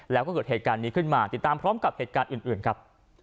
แล้วก็เกิดเหตุการณ์นี้ขึ้นมาติดตามพร้อมกับเหตุการณ์อื่นครับ